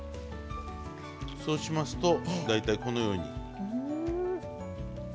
そうしますと大体このように。